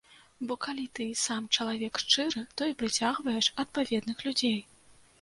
Бо калі ты сам чалавек шчыры, то і прыцягваеш адпаведных людзей.